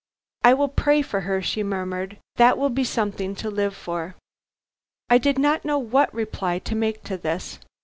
"I will pray for her," she murmured; "that will be something to live for." I did not know what reply to make to this.